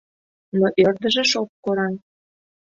Но ӧрдыжыш ок кораҥ.